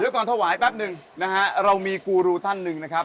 เดี๋ยวก่อนถวายแป๊บหนึ่งนะฮะเรามีกูรูท่านหนึ่งนะครับ